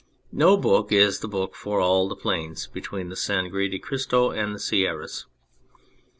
No Book is the book for all the plains between the Sangre de Cristo and the Sierras.